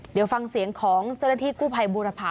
เดี๋ยวฟังเสียงของเจ้าหน้าที่กู้ภัยบูรพา